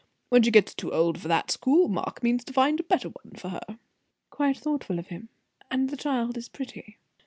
When she gets too old for that school, Mark means to find a better one for her." "Quite thoughtful of him; and the child is pretty?"